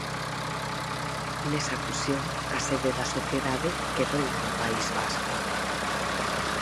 Nesa fusión, a sede da sociedade quedou no País Vasco.